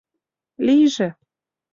Лийже...